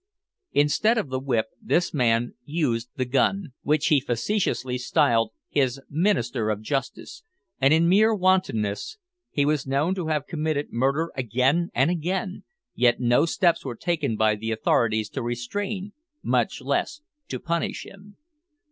Instead of the whip, this man used the gun, which he facetiously styled his "minister of justice," and, in mere wantonness, he was known to have committed murder again and again, yet no steps were taken by the authorities to restrain, much less to punish him.